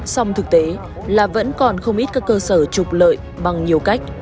song thực tế là vẫn còn không ít các cơ sở trục lợi bằng nhiều cách